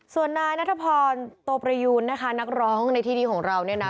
ส่วนนายนัทพรโตประยูนนะคะนักร้องในที่นี้ของเราเนี่ยนะ